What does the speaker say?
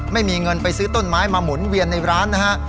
ไม่มีเงินไปซื้อต้นไม้มาหมุนเวียนในร้านนะฮะ